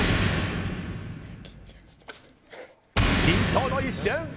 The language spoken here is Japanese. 緊張の一瞬！